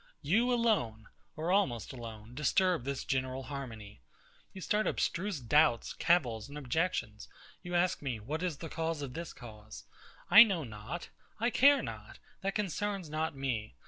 You alone, or almost alone, disturb this general harmony. You start abstruse doubts, cavils, and objections: You ask me, what is the cause of this cause? I know not; I care not; that concerns not me.